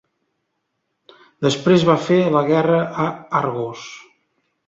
Després va fer la guerra a Argos.